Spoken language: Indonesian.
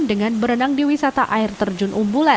dengan berenang di wisata air terjun umbulan